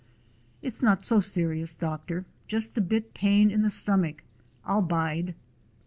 "It 's not so serious, doctor, just a bit pain i' the stummick. I 'll bide."